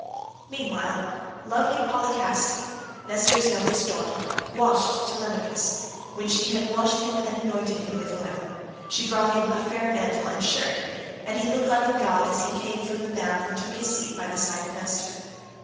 Meanwhile lovely Polycaste, Nestor's youngest daughter, washed Telemachus. When she had washed him and anointed him with oil, she brought him a fair mantle and shirt,33 and he looked like a god as he came from the bath and took his seat by the side of Nestor.